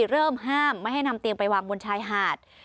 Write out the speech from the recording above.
เริ่มห้ามไม่ให้นำเตียงไปวางบนชายหาด